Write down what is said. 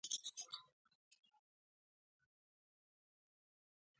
د خوب انځور جوړوي